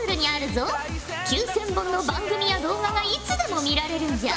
９，０００本の番組や動画がいつでも見られるんじゃ。